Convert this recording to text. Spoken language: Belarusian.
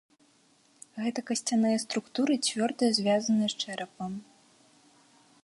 Гэта касцяныя структуры, цвёрда звязаныя з чэрапам.